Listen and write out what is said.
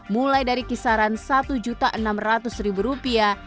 mulai dari kisaran satu enam ratus rupiah